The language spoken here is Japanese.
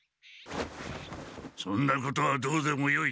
そんなことはどうでもよい。